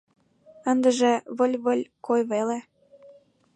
Ындыже выль-выль кой веле.